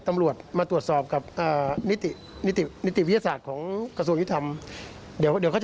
ท่านอเดชาครับประเด็นนึงที่ยังไม่ได้คิดคลายเมื่อวาน